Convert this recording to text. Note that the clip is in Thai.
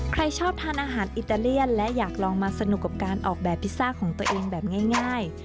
ใครชอบทานอาหารอิตาเลียนและอยากลองมาสนุกกับการออกแบบพิซซ่าของตัวเองแบบง่าย